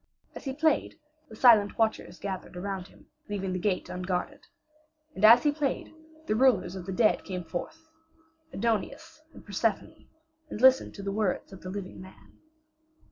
As he played, the silent watchers gathered around him, leaving the gate unguarded. And as he played the rulers of the dead came forth, Aidoneus and Persephone, and listened to the words of the living man.